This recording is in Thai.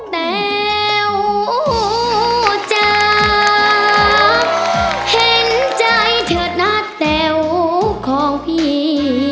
เต๋วจ๋าเห็นใจเถอะนะเต๋วของพี่